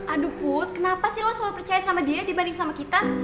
aduh put kenapa sih lo selalu percaya sama dia dibanding sama kita